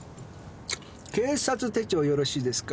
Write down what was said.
警察手帳よろしいですか？